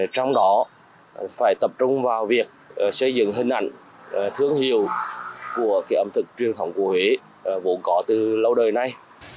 trong đó phải tập trung vào việc xây dựng hình ảnh thương hiệu của ẩm thực truyền thống của huế vốn có từ lâu đời này